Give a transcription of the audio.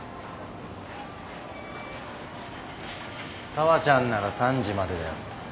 紗和ちゃんなら３時までだよ。